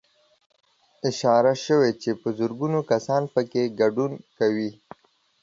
اشاره شوې چې په زرګونه کسان پکې ګډون کوي